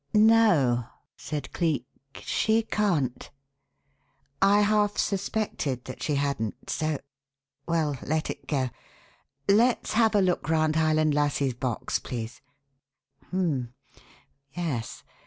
"No," said Cleek, "she can't. I half suspected that she hadn't, so well, let it go. Let's have a look round Highland Lassie's box, please. H'm! Yes!